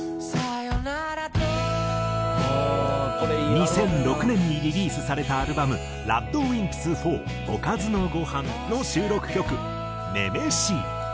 ２００６年にリリースされたアルバム『ＲＡＤＷＩＭＰＳ４おかずのごはん』の収録曲『ｍｅｍｅｓｈｅ』。